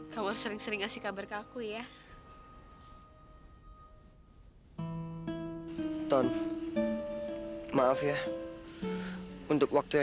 kamu harus sering sering ngasih kabar ke aku ya